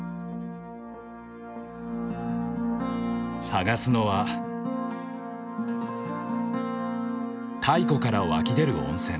探すのは太古から湧き出る温泉。